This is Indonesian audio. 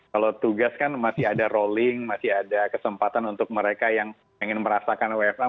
kalau tugas kan masih ada rolling masih ada kesempatan untuk mereka yang ingin merasakan wfh